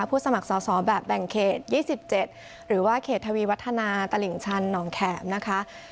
สมัครสอบแบบแบ่งเขต๒๗หรือว่าเขตทวีวัฒนาตลิ่งชันหนองแขมนะคะ